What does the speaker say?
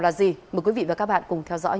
là gì mời quý vị và các bạn cùng theo dõi